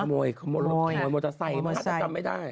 ขโมยขโมยขโมยมอเตอร์ไซค์มอเตอร์ไซค์มอเตอร์ไซค์จำไม่ได้